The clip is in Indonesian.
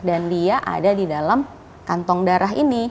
dan dia ada di dalam kantong darah ini